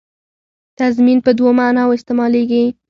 تضمین په دوو معناوو استعمالېږي.